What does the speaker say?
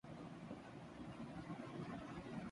Sushant Singh case Rhea Chakraborty کا غیر معمولی فون ریکارڈ سامنے گیا